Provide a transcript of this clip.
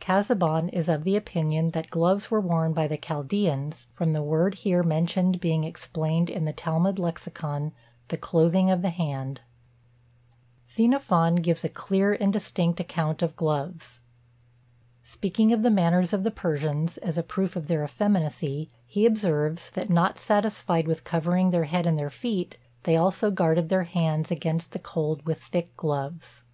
Casaubon is of opinion that gloves were worn by the Chaldeans, from the word here mentioned being explained in the Talmud Lexicon, the clothing of the hand. Xenophon gives a clear and distinct account of gloves. Speaking of the manners of the Persians, as a proof of their effeminacy, he observes, that, not satisfied with covering their head and their feet, they also guarded their hands against the cold with thick gloves.